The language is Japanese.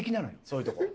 そういうとこ。